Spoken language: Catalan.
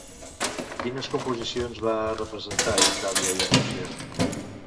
Quines composicions va representar a Itàlia i a Rússia?